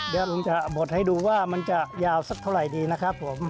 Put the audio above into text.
เดี๋ยวผมจะบดให้ดูว่ามันจะยาวสักเท่าไหร่ดีนะครับผม